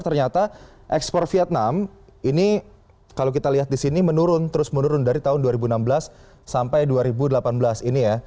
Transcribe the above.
ternyata ekspor vietnam ini kalau kita lihat di sini menurun terus menurun dari tahun dua ribu enam belas sampai dua ribu delapan belas ini ya